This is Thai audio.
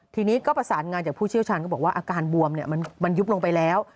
ทีนี้ก็ประสานงานจากผู้เชี่ยวชาญก็บอกว่าอาการบวมมันยุบลงไปแล้ว